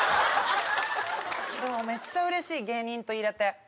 でもめっちゃうれしい芸人といれて。